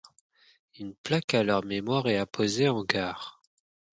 Une plaque à leur mémoire est apposée en gare.